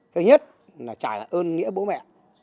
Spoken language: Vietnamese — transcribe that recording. thứ nhất là trả ơn nghĩa bố mẹ